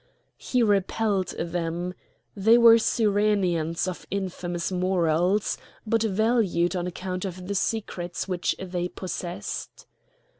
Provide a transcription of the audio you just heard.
He repelled them; they were Cyreneans of infamous morals, but valued on account of the secrets which they possessed.